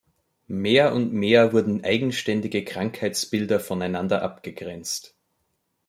Mehr und mehr wurden eigenständige Krankheitsbilder voneinander abgegrenzt.